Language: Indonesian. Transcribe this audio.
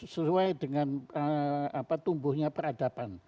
sesuai dengan tumbuhnya peradaban